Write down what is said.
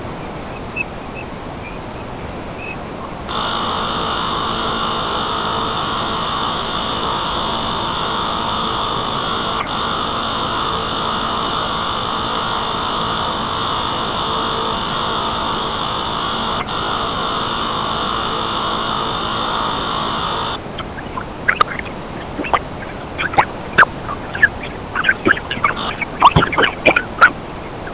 Kwa kufanya kazi katika nchi hiyo ya Afrika Mashariki kinyume cha sheria, kwa mujibu wa afisa mwandamizi.